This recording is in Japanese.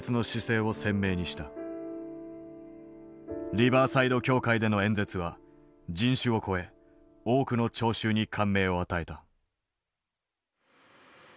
リバーサイド教会での演説は人種を超え多くの聴衆に感銘を与えた。